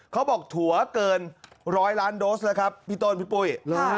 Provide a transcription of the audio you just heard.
เขาบอกถั่วเกิน๑๐๐ล้านโดสแล้วครับปีโตนปีปุ๋ย